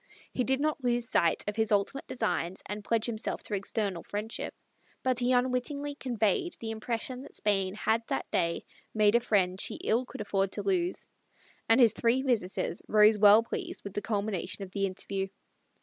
He did not lose sight of his ultimate designs and pledge himself to external friendship, but he unwittingly conveyed the impression that Spain had that day made a friend she ill could afford to lose; and his three visitors rose well pleased with the culmination of the interview.